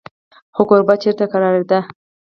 خو کوربه چېرته کرارېده.